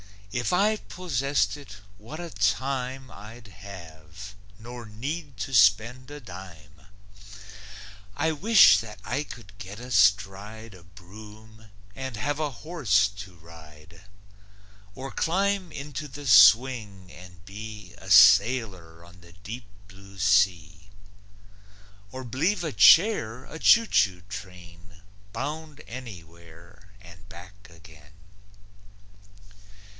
If I possessed it, what a time I'd have, nor need to spend a dime! I wish that I could get astride A broom, and have a horse to ride; Or climb into the swing, and be A sailor on the deep blue sea, Or b'lieve a chair a choo choo train, Bound anywhere and back again.